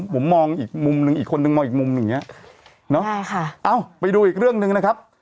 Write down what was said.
ผมมองอีกมุมหนึ่งอีกคนนึงมองอีกมุมหนึ่งอย่างเงี้ยเนอะใช่ค่ะเอ้าไปดูอีกเรื่องหนึ่งนะครับ